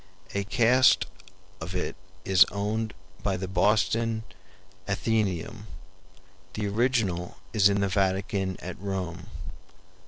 A cast of it is owned by the Boston Athenaeum; the original is in the Vatican at Rome.